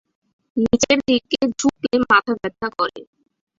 নিচের দিকে ঝুকলে মাথা ব্যথা করে।